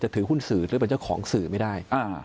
ถือหุ้นสื่อหรือเป็นเจ้าของสื่อไม่ได้